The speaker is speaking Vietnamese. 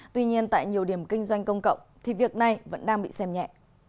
tuy nhiên tại nhiều điểm kinh doanh công cộng thì việc này vẫn đang bị xem nhẹ